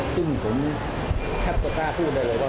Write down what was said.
ซึ่งผมแทบจะกล้าพูดได้เลยว่า